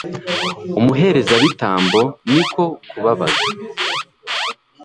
umuherezabitambo ni ko kubabaza